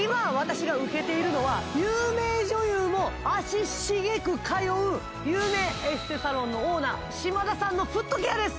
有名女優も足しげく通う有名エステサロンのオーナー島田さんのフットケアです